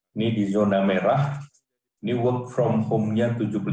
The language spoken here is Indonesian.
pemerintah di daerah ini work from home nya tujuh puluh lima